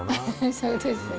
そうですね。